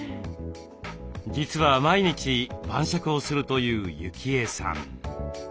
実は毎日晩酌をするという幸枝さん。